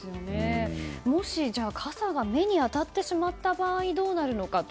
もし、傘が目に当たってしまった場合どうなるのか。